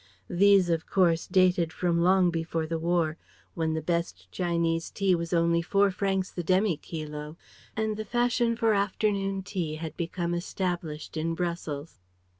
These of course dated from long before the war, when the best Chinese tea was only four francs the demi kilo and the fashion for afternoon tea had become established in Brussels.